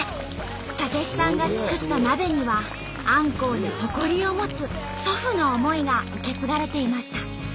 武子さんが作った鍋にはあんこうに誇りを持つ祖父の思いが受け継がれていました。